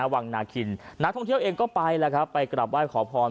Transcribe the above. วังนาคินนักท่องเที่ยวเองก็ไปแล้วครับไปกลับไหว้ขอพร